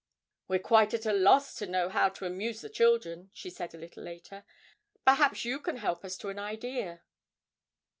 'We're quite at a loss to know how to amuse the children,' she said a little later. 'Perhaps you can help us to an idea?'